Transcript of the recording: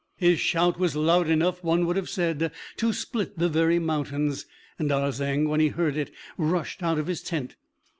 His shout was loud enough, one would have said, to split the very mountains; and Arzeng, when he heard it, rushed out of his tent.